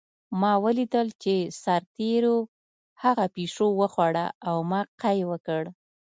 ما ولیدل چې سرتېرو هغه پیشو وخوړه او ما قی وکړ